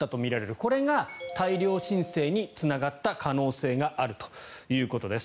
これが大量申請につながった可能性があるということです。